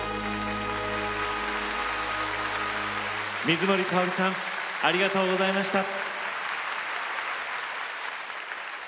水森かおりさんありがとうございました。